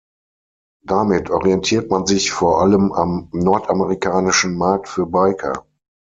Damit orientiert man sich vor allem am nordamerikanischen Markt für Biker.